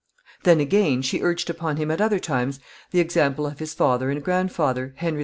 ] Then, again, she urged upon him at other times the example of his father and grandfather, Henry IV.